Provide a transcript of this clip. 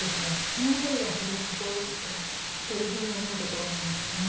その辺りが本当に心苦しいなと思うところなんですよね。